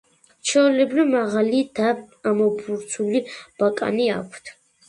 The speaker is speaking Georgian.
ჩვეულებრივ, მაღალი და ამობურცული ბაკანი აქვთ.